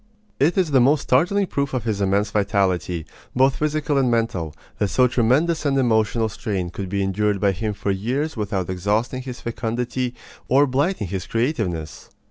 It is the most startling proof of his immense vitality, both physical and mental, that so tremendous an emotional strain could be endured by him for years without exhausting his fecundity or blighting his creativeness.